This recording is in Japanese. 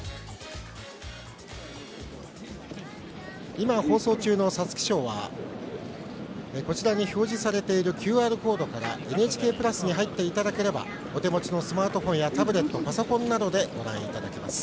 今、放送中の皐月賞は表示されているＱＲコードから「ＮＨＫプラス」に入っていただければお手持ちのスマートフォンやタブレットパソコンなどでご覧いただけます。